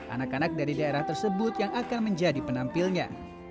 anak anak dari daerah tersebut yang akan menjadi penampilnya